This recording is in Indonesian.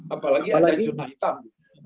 apalagi ada jumlah hitam